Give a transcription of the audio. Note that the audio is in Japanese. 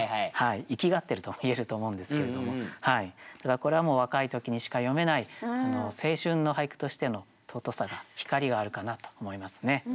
イキがってると言えると思うんですけれどもただこれはもう若い時にしか詠めない青春の俳句としての尊さが光があるかなと思いますね。